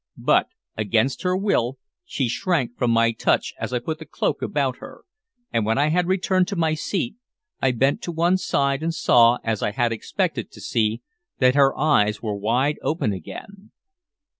But, against her will, she shrank from my touch as I put the cloak about her; and when I had returned to my seat, I bent to one side and saw, as I had expected to see, that her eyes were wide open again.